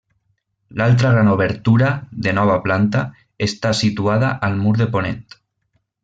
L'altra gran obertura, de nova planta, està situada al mur de ponent.